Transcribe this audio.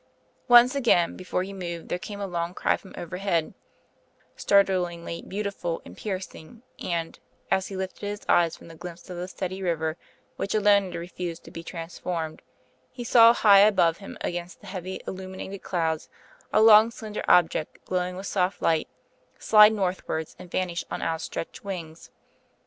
Once again before he moved there came a long cry from overhead, startlingly beautiful and piercing, and, as he lifted his eyes from the glimpse of the steady river which alone had refused to be transformed, he saw high above him against the heavy illuminated clouds, a long slender object, glowing with soft light, slide northwards and vanish on outstretched wings.